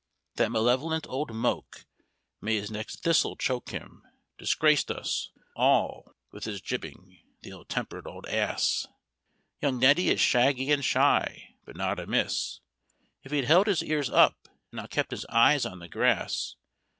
That malevolent old Moke may his next thistle choke him! disgraced us all with his jibbing the ill tempered old ass! Young Neddy is shaggy and shy, but not amiss, if he'd held his ears up, and not kept his eyes on the grass.